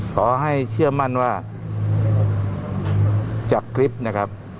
ขอให้เชื่อมั่นว่าจากคลิปนะครับ